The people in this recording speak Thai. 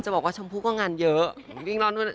จะบอกว่าชมพู่ก็งานเยอะ